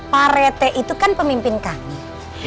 pak rete itu kan pemimpin kami